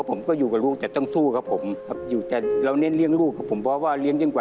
ผมยิ่งชื่นใจและขอบคุณเสอร์อดอีกแรงหนึ่งด้วยนะคะ